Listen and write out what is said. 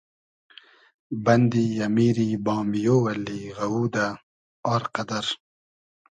بئندی امیری بامیۉ اللی غئوودۂ ، آر قئدئر